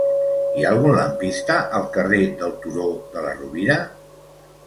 Hi ha algun lampista al carrer del Turó de la Rovira?